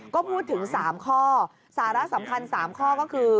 ก็พูดถึง๓ข้อสาระสำคัญ๓ข้อก็คือ